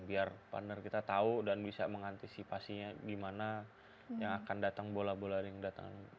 biar partner kita tahu dan bisa mengantisipasinya gimana yang akan datang bola bola yang datang